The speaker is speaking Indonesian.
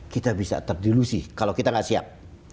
kita bisa terdilusi kalau kita nggak siap